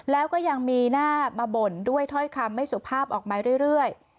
แล้วก็ยังมีหน้ามาบ่นด้วยถ้อยคำไม่สุภาพออกมาเรื่อย